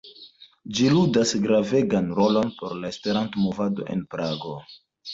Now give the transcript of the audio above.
Ĝi ludas gravegan rolon por la Esperanto-movado en Prago.